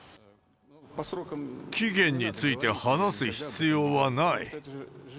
期限について話す必要はない。